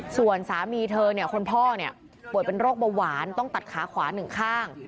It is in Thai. ส่วนสามีเธอเนี่ยคนพ่อเนี่ยป่วยเป็นโรคเบาหวานต้องตัดขาขวาหนึ่งข้าง